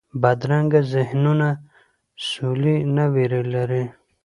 بدرنګه ذهنونونه سولې نه ویره لري